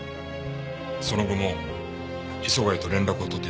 その後も磯貝と連絡を取っていたんですか？